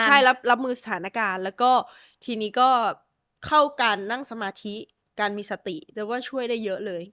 ใช่รับมือสถานการณ์แล้วก็ทีนี้ก็เข้าการนั่งสมาธิการมีสติแต่ว่าช่วยได้เยอะเลย